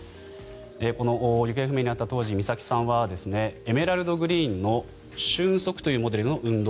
この行方不明になった当時美咲さんはエメラルドグリーンの瞬足というモデルの運動